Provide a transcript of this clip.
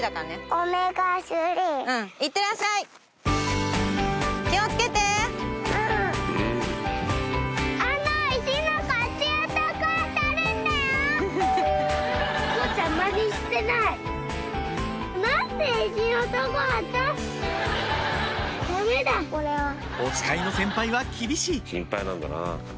おつかいの先輩は厳しい心配なんだな。